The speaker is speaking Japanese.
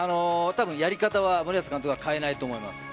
多分やり方は森保監督は変えないと思います。